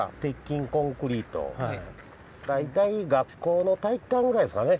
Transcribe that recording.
この大体学校の体育館ぐらいですかね